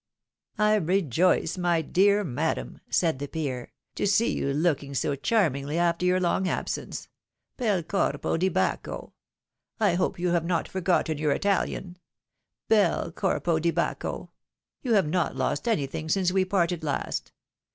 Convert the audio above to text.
^" I rejoice, my dear madam,'' said the peer, " to see you looking so charmingly after your long absence — Pel corpo di Bacco! — I hope you have not forgotten your ItaKan? — Pel corpo di Bacco ! you have not lost anything since we parted last.